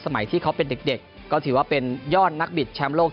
ที่เขาเป็นเด็กก็ถือว่าเป็นยอดนักบิดแชมป์โลก